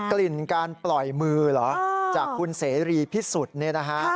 กลิ่นการปล่อยมือเหรอจากคุณเสรีพิสุทธิ์เนี่ยนะฮะ